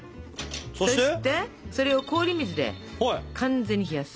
そしてそれを氷水で完全に冷やす。